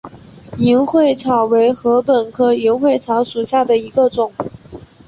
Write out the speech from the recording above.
银穗草为禾本科银穗草属下的一个种。